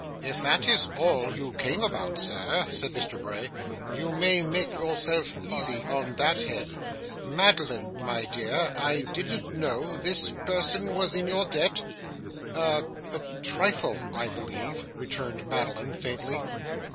'If that is all you come about, sir,' said Mr. Bray, 'you may make yourself easy on that head. Madeline, my dear, I didn't know this person was in your debt?' 'A a trifle, I believe,' returned Madeline, faintly.